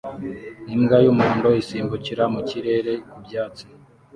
Imbwa y'umuhondo isimbukira mu kirere ku byatsi